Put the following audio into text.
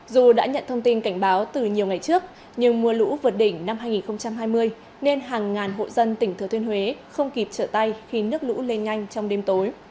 dù đã nhận thông tin cảnh báo từ nhiều ngày trước nhưng mưa lũ vượt đỉnh năm hai nghìn hai mươi nên hàng ngàn hộ dân tỉnh thừa thuyên huế không kịp trở tay khi nước lũ lên nhanh trong đêm tối